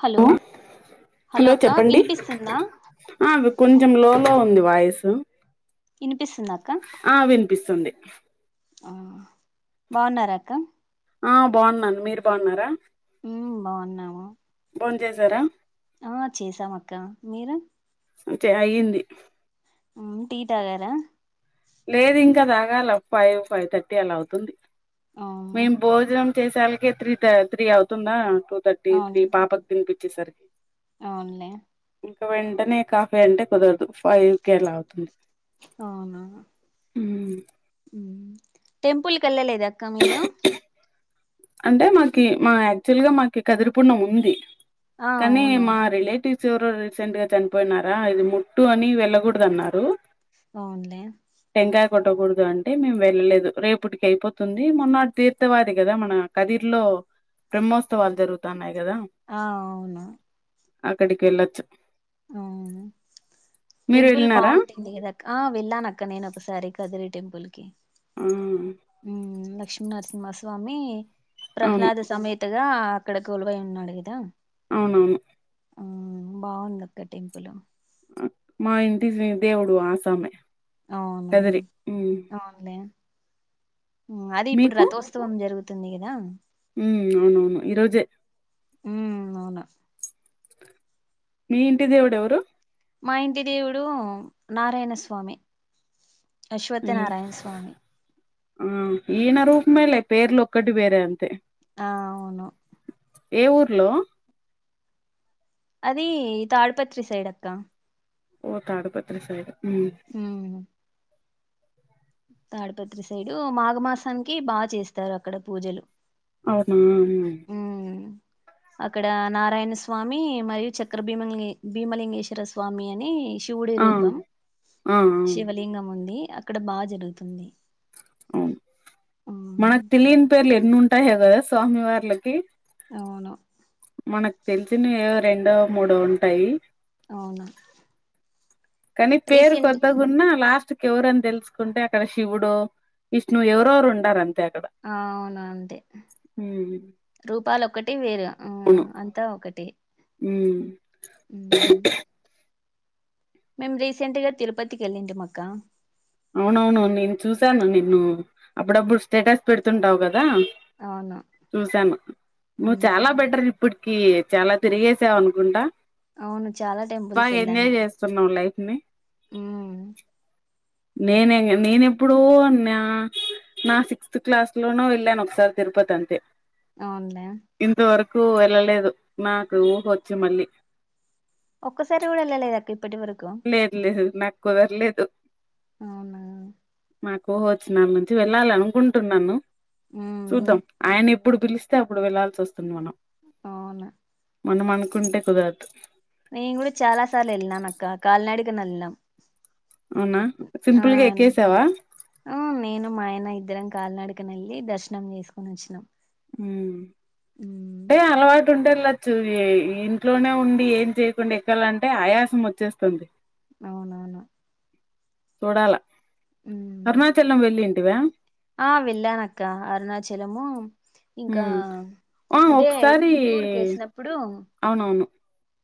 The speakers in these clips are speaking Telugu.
హలో ఆ హలో అక్క చెప్పండి వినిపిస్తుందా ఆ అవి కొంచెం లో లో ఉంది వాయిసు ఇనిపిస్తుందా అక్క పిస్తుంది ఆ బాగున్నార అక్క ఆ బాగున్నాను మీరు బాగున్నారా మ్ బాగున్నాము బోన్ చేసారా ఆ చేసాం అక్క మీరు చే అయ్యింది ఆ టీ తాగార లేదు ఇంకా తాగాల ఫైవ్ ఫైవ్ థర్టీ అలా అవుతుంది అవును మేము భోజనం చేసరికే త్రీ త త్రీ అవుతుందా టూ థర్టీ త్రీ అవును పాపకి తినిపించేసరికి అవునులే ఇంకా వెంటనే కాఫీ అంటే కుదరదు ఫైవ్ కలా అవుతుంది అవునా మ్మ్ టెంపుల్కెళ్లలేద అక్క మీరు అంటే మాకి మా యాక్చువల్గా మాకి కదిరిపుండం ఉంది ఆ కనీ అవును మా రిలేటివ్స్ సేవరో రీసెంట్గా చనిపోయినారా అది ముట్టు అని వెళ్ళకూడదన్నారు అవునులే టెంకాయ కొట్టకూడదు అంటే మేము వెళ్ళలేదు రేపటికైపోతుంది మొన్నతీర్థవాదిక్ కదా మన కధీర్ లో బ్రహ్మోత్సవాలు జరుగుతున్నాయి ఆ అవున అక్కడికేళ్లొచ్చు అవును మీరు టెంపుల్ వెళ్ళినారా? బాగుంటుంది కదా క్ ఆ వెళ్ళానక్క నేను ఒకసారి కదిరి టెంపుల్కీ ఆ! హు మ్ లక్ష్మీనరసింహస్వామి అవును. ప్రహల్లాద సమైత కదా అక్కడ కొలువై ఉన్నాడు కదా అవునవును ఆ బాగుందక్క టెంపులు అ మా ఇంటి దేవుడు ఆ సామె అవునా అవున్లే మ్ అది ఇప్పుడు రథోత్సవం జరుగుతుంది గదా మ్ అవునవును ఈ రోజే మ్ అవునా మీ ఇంటి దేవుడు ఎవరు మా ఇంటి దేవుడు నారాయణ స్వామి అశ్వత్థ మ్ నారాయణ స్వామి ఆ ఈయన రూప్ మేలే పేర్లు ఒక్కటి వేరే అంతే ఆ అవును ఏ ఊర్లో అది తాడిపత్రి సైడ్ అక్క ఓ తాడిపత్రి సైడ్ మ్ తాడ్పత్రి సైడు మాఘమాసానికి బాగ్ చేస్తారు అక్కడ పూజలు అవునా మ్ అక్కడ నారాయణ స్వామి మరియు చక్ర బీమాంగ్లీ భీమలింగేశ్వర స్వామి అని శ్ వుడి ఆ రూపం ఆ ఆ, శివలింగం ఉంది అక్కడ బా జరుగుతుంది అవున్ ఉమ్ మనక్ తెలియని పేర్లు ఎన్నుంటాయో గదా స్వామి వార్లకి అవును మనకు తెలిసినవి ఏవో రెండో మూడో ఉంటాయి అవున కానీ పేరు కొద్దగున్నా లాస్ట్ కేవరని తెలుసుకుంటే అక్కడ శివుడొ విష్ణు ఎవరొవోరు ఉండారంత్ ఆ అవును అంతే ఉమ్, రూపాలు ఒక్కటి వెరు ఆ అంతా ఒకటే మ్మ్ మేమ్ రీసెంట్ గా తిరుపతికేళ్లింటిమక్క అవునవును నేను చూసాను నిన్ను అప్పుడప్పుడు స్టేటస్ పెడుతుంటావు కదా అవును చూసాను నువ్వు చాలా ఉమ్. బెటర్ ఇప్పుడ్ కి చాలా తిరిగేసావ్ అనుకుంటా అవును చాలా టెంపుల్స్ బాగా ఎంజాయ్ వెళ్ళాను చేస్తున్నావ్ లైఫ్ ని ఉమ్. నేనే న నేను ఎప్పుడో న్న నా సిక్స్త్ క్లాస్ లోనో వెళ్ళాను ఒకసారి తిరుపతి అంతే అవునులే కు వెళ్ళలేదు నాకు ఉహోచ్చు మళ్ళీ ఒక్కసారి కూడా ఏళ్లలేదా అక్క ఇప్ లేదు లేదు నాక్ కుదర్లేదు అవునా న్ ఉహోచ్చినానుంచ్చి వెళ్ళాలి అనుకుంటున్నాను ఉమ్. చూద్దాం ఆయన ఎప్ ప్పుడు పిలిస్తే అప్పుడు వెళ్లాల్సొస్తుంది మనం అవునా మనం అనుకుంటే కుదరదు నేను గుడా చాలా సార్లు వెల్నాననక్క కల్నాడకనేళ్నం అవునా ఆ సింపుల్ గా ఎక్కేసావా ఆ నేను మాయనా ఇద్దరం క కాల్నాడనేళ్ళి దర్శనం చేసుకొని వచ్చినాం మ్ ఏ ఉమ్. అలావైకుంఠంల్ లచ్చు ఇ ఇంట్లోనే ఉండి ఏం చేయకుండా ఎక్కాలంటే ఆయాసం వచ్చేస్తుంది అవునవును చూడాల ఉమ్. అరుణాచలం వెళ్లింటివా ఆ వెళ్ళానక్క అరుణాచలము ఇంకా హ్మ్ ఆ అంటే టూర్ కి ఏసినప్పుడు అవును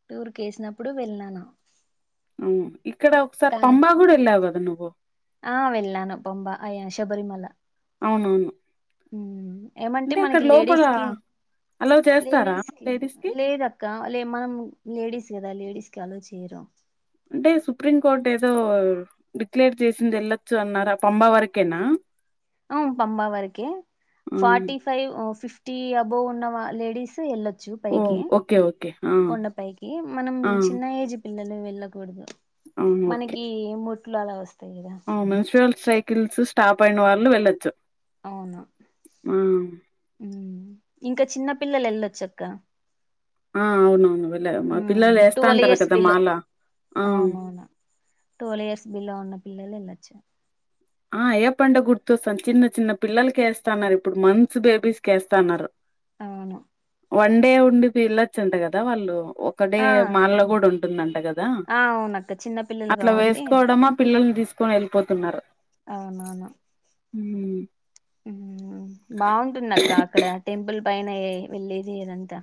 టూర్కి ఏస్నప్పుడు వెళ్ళను అవును ఇక్కడ ఒకసారి తా న్ పంబా కూడా వెళ్ళావు కదా నువ్వు ఆ వెళ్ళను పొంబ అయ శబరిమళ అవునవును హు మ్ ఏమంటి అంటే అక్కడ మనకి లోపల లేడీస్కి అలో చేస్తారా లేడీస్కి లేడీస్ కి లేద్ అక్క లే మనం లేడీస్ గా లేేడీస్కి అలో చేయిరా అంటే సుప్రీం కోర్ట్ ఏదో అర్ డిక్లేర్ చేసింది ఎళ్ళొచ్చు అన్నారా పంబా వరకేనా అవ్ పంబా వరకే హ్మ్ forty five fifty above ఉన్న వాళ్ళ్ లేడీసే ఏళ్ళొ చూప్ ఓ పైకి ఓకే ఓకే ఆ కొండ పైకి మనం ఆ చిన్న ఏజ్ పిల్ల అలా వెళ్ళకూడదు మనకి ముట్లు అలా ఒస్త్ మున్సివాల్ సైకిల్స్ స్టాప్ అయిన వాళ్ళు వెళ్లొచ్చు. అవున ఊమ్ ఇంకా చిన్న పిల్లలు ఎళ్ళొచ్చు అక్క ఆ అవునవును వెళ్ళ మా పిల్లలు ట్వెల్వ్ ఏస్తాంటరు ఇయర్స్ కదా మాల ఆ టువల్ ఇయర్స్ బీలో ఉన్న పిల్లలు వెళ్ళచ్చు ఆ యే పండగ గుర్తొస్తాన్ చిన్న చిన్న పిల్లల్కి ఏస్తన్నారు. ఇప్పుడు మంత్స్ బేబీస్కి ఏస్తన్నరు. అవును వన్ డే ఉండి పిల్లచాంట కదా వాళ్ళు ఒకడే ఆ మాల్లో కూడా ఉంటుందంట కదా ఆ అవునక్క చిన్న పిల్లలు అట్లా కాబట్టి వేస్కోవడమా పిల్లల్ని తీస్క్ పోనీ ఏల్పోతున్నారు అవ్ననవ్ను ఊమ్ ఊ బావుంటుంది అక్క అక్కడ టెంపుల్ పైన ఏ వెళ్ళేది ఏదంతా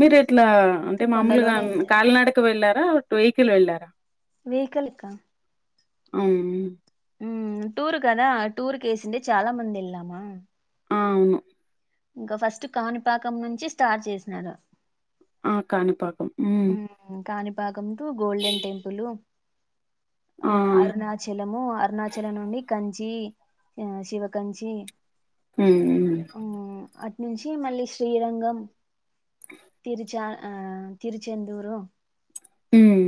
మీర్ ఎట్లా అంటే మామూలుగా వెళ్తారు కాలనడక వెళ్ళారా వెహికిల్ వెళ్ళారా వెహికల్ ఇక్క అవును ఉమ్ టూరు కదా టూర్ కేేసిందే చాలా మంది ఎల్లామా అ అవును ఇంక ఫస్ట్ కాణిపాకం నుంచి స్టార్ట్ చేసినారు. ఆ కానిపాకం ఊమ్ కాణిపాకం టు గోల్డెన్ టెంపులు ఆ అరుణాచలము అరుణాచలం నుండి కంచ్ చి శివకంచి ఉ ఉమ్ అట్ నుంచి మళ్ళీ శ్రీరంగం తిరిచా తిరుచెందూరు ఊమ్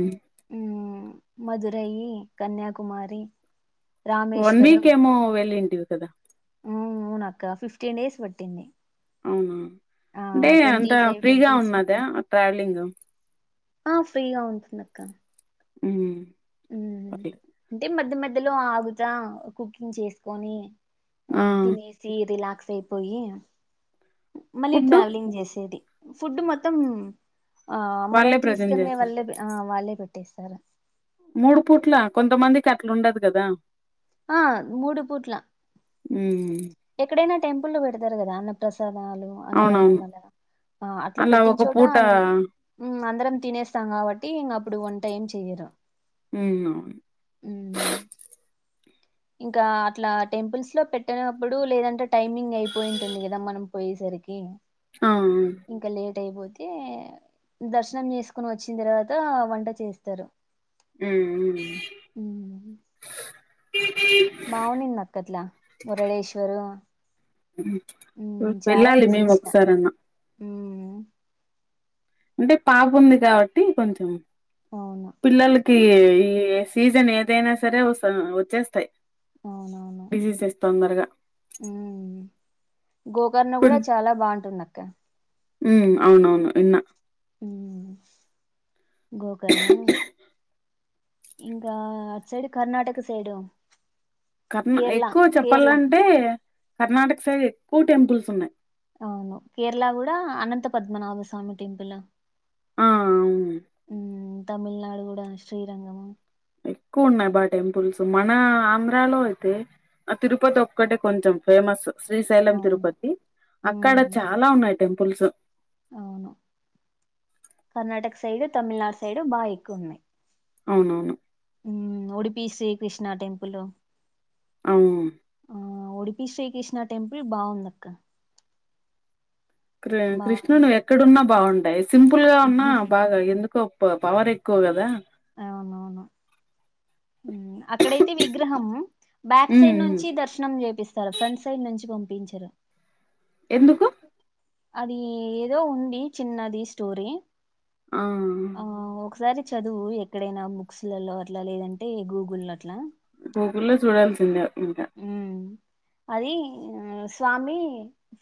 మధురైయి కన్యాకుమారి వన్ రామేశ్వరం వీక్ ఏమో వెళ్ళింటివి కదా ఊమ్ ఊనక్క ఫిఫ్టీన్ డేస్ బట్టింది. అవునా అంటే అంత ఫైవ్ ఫ్రీగా టెంపుల్స్ ఉన్నదా ట్రావ్లింగ్ ఆ ఫ్రీగా ఉంటుంద్ అక్క ఊమ్ ఉమ్ హు అంటే మధ్య మధ్యలో ఆగుతా కుకింగ్ చేస్కొని ఆ అమ్ తినేసి రిలాక్స్ అయిపోయి మళ్ళీ ఫుడ్డు ట్రావ్లింగ్ చేసేది ఫుడ్ మొత్తం ఆ మనం వాళ్ళే ప్రజెంట్ తీస్కనే చేస్తారు వళ్ళే ఆ వాళ్ళే పెట్టేస్తారు మూడు పూట్ల కొంతమందికి అట్ల ఉండదు కదా ఆ మూడు పూట్ల హ్మ్ ఎక్కడైనా టెంపుల్లో పెడతారు కదా అన్న ప్రసాద్ వాళ్ళు అవునవును అన్నదానాలు అట్ల అలా ఒక పెట్టించోట పూట ఉమ్ అందరం తినేస్తాం కాబట్టి ఇంక అప్పుడు వంట ఎం చెయ్యరు. మ్ అవును ఉమ్ ఇంకా అట్లా టెంపుల్స్ లో పెట్టినప్పుడు లేదంటే టైమింగ్ అయిపోయింటుంది కదా మనం పోయేసర్ రికీ ఆ ఆ టైపోతే దర్శనం చేసుకోని వచ్చిన తర్వాత వంట చేస్తారు మ్ మ్ మావునిందక్క అట్లా మురళేశ్వరు వెళ్ళాలి మేము ఒకసారి అన్నా హు మ్ అంటే పాపుంది కాబట్టి కొంచెం అవును పిల్లలక్ కి ఈ సీజన్ ఏదైనా సరే వ వచ్చేస్తాయ్ అవునవును తొందరగా హు మ్ గోకర్ణ కూడా చాలా బాగుంటుంది అక్క మ్ అవునవును ఇన్న హ్మ్ గోకర్ణ ఇంకా సైడ్ కర్ణాటక సైడ్ కర్ణనా ఎక్కువ చెప్పాలంటే కర్ణాటక సైడ్ ఎక్కువ టెంపుల్స్ ఉన్నాయి అవును కేరళ కూడా అనంత పద్మనాభ స్వామి టెంపుల్ హు ఆ అవును మ్మ్ తమిళనాడు కూడా శ్రీరంగం ఎక్కువున్నాయ్ బా టెంపుల్స్ మన ఆంధ్రాలో అయితే ఆ తిరుపతి ఒక్కటే కొంచెం ఫేమస్ శ్రీశైలం అవును తిరుపతి అక్కడ మ్మ్ చాలా ఉన్నాయ్ టెంపుల్స్ అవును కర్ణాటక సైడు తమిళనాడు సైడు బాగా ఎక్కువున్నాయ్ అవునవును హు మ్ ఉడిపి శ్రీ కృష్ణ టెంపుల్ అ ఆ ఉడిపి శ్రీకృష్ణ టెంపుల్ బాఉంది అక్క కిర్ కృష్ణునుడు ఎక్కడున్నా బాగుంటాయ్ సింపుల్ గా ఉన్నా బాగా ఎందుకో ప పవర్ ఎక్కువ కదా అవునవును అక్కడైతే విగ్రహం బ్యాక్ సైడ్ ఉమ్ నుంచి దర్శనం చేపిస్తారు ఫ్రంట్ సైడ్ నుంచి పంపించరు ఎందుకు అది ఏదో ఉంది చిన్నది స్టోరీ ఆ ఆ ఒకసారి చదువు ఎక్కడైనా బుక్స్లలో అట్లా లేదంటే గూగుల్ లో అట్లా గూగుళ్ళో చూడాల్సిందే ఇంకా ఉమ్ అది మ్ స్వామి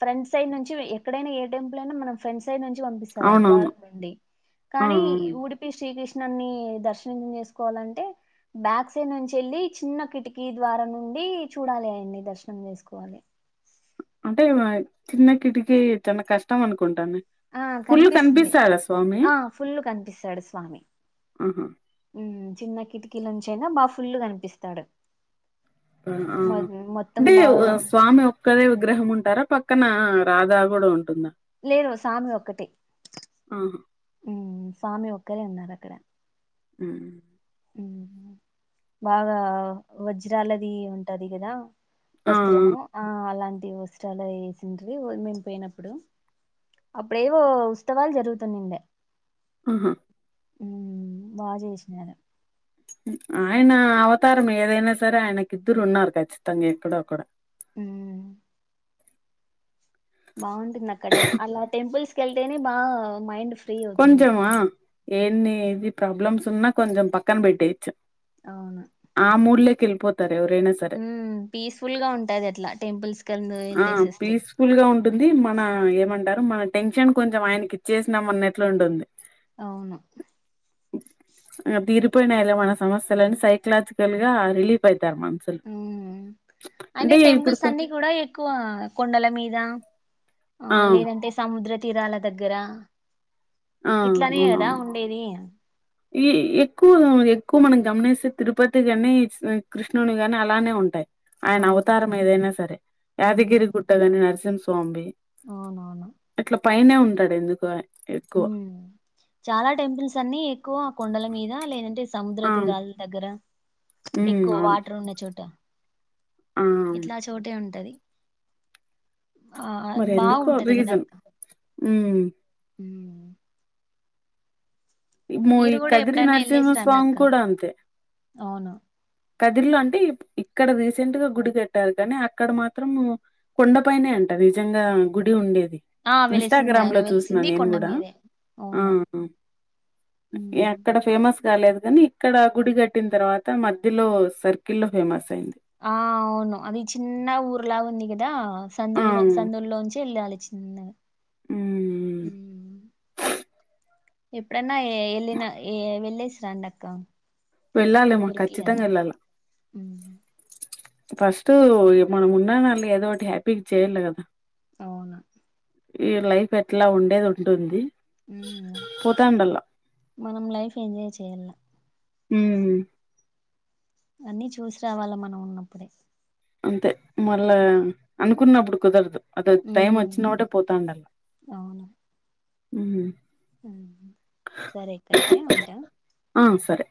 ఫ్రెండ్స్ సైడ్ నుంచి ఎక్కడైనా ఏ టెంపుల్ అయినా మనం ఫ్రెండ్స్ సైడ్ నుంచి పంపిస్తారు ఆ అవునవును ద్వారం నుండి ఆ కానీ అవును ఉడిపి శ్రీకృష్ ఉన్నన్ని దర్శం చేసుకోవాలంటే బ్యాక్ సైడ్ నుంచి వెళ్ళి చిన్న కిటికీ ద్వారా ను ఉండి చూడాలి అయన్ని దర్శనం చేసుకోవాలి అంటే చిన్న కిటికీ చిన్న కష్టం అనుకో ఆ కనిపిస్తుంది స్వామి ఆ ఫుల్ కనిపిస్తాడు స్వామి ఆహా ఉమ్ చిన్న కిటికీల నుంచీయినా బా ఫుల్ కనిపిస్తాడు ఆ మొ మొత్తం అంటే బాగా స్వామి ఒక్కలే విగ్రహం ఉంటారా పక్క పక్కన రాధా కూడా ఉంటుందా లేదు స్వామి ఒక్కటి ఆహా మ్ స్వామి ఒ అక్కరే ఉన్నారు అక్కడ మ్ బాగా వజ్రాలది ఉంటది కదా ఆ ఆ! వస్త్రము ఆ అలాంటి వస్త్రాలు వేసిండీ మేము పోయినప్పుడు అప్పుడేవో ఉత్సవాలు జరుగుతున్నాండడి ఆహా ఉ బాగా చేసినను ఆయన అవతారం ఏదైనా సరే ఆయనకిద్దరు ఉన్నారు ఖచ్చితంగా ఎక్కడోక్కడ హు బాగుంటుంది అక్కడ అలా టెంపుల్స్ క వెళ్తేనే బాగా మైండ్ ఫే కొంచం ఆ ఏన్ని ఏది ప్రాబ్లమ్స్ ఉన్నా కొంచెం పక్కన పెట్టేయచ్చు ఆ మూర్లే కెల్పోతు ఉ పీస్ఫుల్ గా ఉంటాది అట్లా టెంపుల్స్ కండు ఆ వెళ్ళేసేస్తే పీస్ఫుల్ గా ఉంటుంది మన ఏమంటారు మన టెన్షన్ కొంచెం ఆయనకి ఇచ్చేసినాం అన్నట్లు గా ఉంటుంది అవును తీరిపోయినాయలా మన సమస్యలన్నీ సైకలాజికల్ గా రిలీఫ్ ఐపో అంటే అయినే ఇప్పుడు టెంపుల్స్ కొ అన్ని కూడా ఎక్కువ కొండల మీద ఆ లేదంటే సముద్ర తీరాల దగ్గర ఆ ఇట్లానే గాదా అవునవును ఉండేది ఈ ఎక్కువ ఎక్కువ మనం గమనిస్తే తిరుపతి గాని కృష్ణుని గాని అలానే ఉంటాయి ఆయన అవతారం అవునవును ఏదైనా సరే హ్మ్ యాదగిరి గుట్టగాని నరసింహస్వామి అవునవును అట్లా పైనే ఉంటాడు ఎందుకు ఆ చాలా టెంపుల్స్ అన్ని ఎక్కువ ఆ కొండల మీద లేదంటే సముద్ర ఆ తీరాల దగ్గర ఉమ్ ఎక్కువ అవును వాటర్ ఉన్న చోట ఆ ఇట్లా చోటే ఉంటది ఆ మరి ఎందుకో బాగుంటది రీజన్ మ్మ్ హు ఇ ము ఈ కూడా కదిరి ఎప్పుడైనా వెళ్ళేసి రండి నరసింహస్వామి అక్క కూడా అంతే అవును కదిరిలో అంటే ఇక్కడ రీసెంట్ గా గుడి కట్టారు కానీ అక్కడ మాత్రం కొండపైనే అంట నిజంగా గుడి ఉండేది ఆ వెలిసింది ఇన్స్టాగ్రామ్ ఆయన లో చూసిన వెలిసింది నేను కొండ కూడా మీదే ఆ అవును హ్మ్ అక్కడ ఫేమస్ ఫమస్ కాలేదు కానీ ఇక్కడ గుడి కట్టిన తర్వాత మధ్యలో సర్కిల్ లో ఫేమస్ అయింది ఆ అవును అది చిన్న ఊర్లా ఉంది కదా ఆ సందులు సందుూలోంచి వెళ్ళాలి చిన్నగా మ్మ్ ఎప్పుడన్నా వెళ్ళిన ఏ వెళ్ళేసి రాండక్క వెళ్ళాలేమో ఖచ్చితంగా వెళ్ళాలా ఫస్ట్ మనం ఉన్నానళ్ళ ఏదో ఒకటి హ్యాపీగా చేయాలి కదా అవునా ఈ లైఫ్ ఎట్లా ఉండేది ఉంటుంది ఉమ్ పోతాండల్లా మనం లైఫ్ ఎంజాయ్ చేయాల ఉమ్మ్ అన్నీ చూసి రావాలా మనం ఉన్నప్పుడే అంతే మళ్ళా అనుకున్నప్పుడు కుదరదు అద టైం వచ్చినప్పుడే పోతావుండాలి సరేక్కయితే ఉంటా ఆ సరే